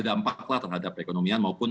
dampaklah terhadap perekonomian maupun